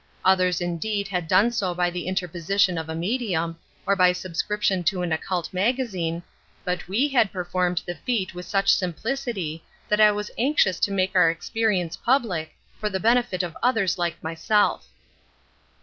Others, indeed, had done so by the interposition of a medium, or by subscription to an occult magazine, but we had performed the feat with such simplicity that I was anxious to make our experience public, for the benefit of others like myself.